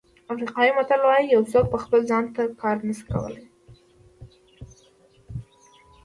افریقایي متل وایي یو څوک په خپله ځان ته کار نه شي کولای.